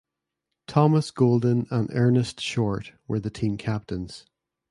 Thomas Golden and Ernest Short were the team captains.